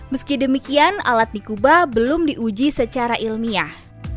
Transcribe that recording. meski demikian alat di kuba belum diuji secara ilmiah